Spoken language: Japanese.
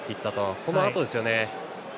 そのあとですね。